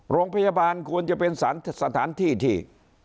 โรงพยาบาลควรจะเป็นสถานที่ที่